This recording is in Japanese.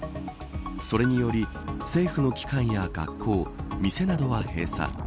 それにより政府の機関や学校店などは閉鎖。